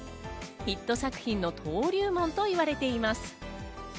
ヒット作品の登竜門といわれています。